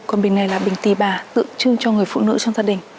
còn bình này là bình tì bà tự trưng cho người phụ nữ trong gia đình